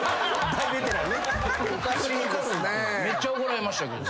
めっちゃ怒られましたけど。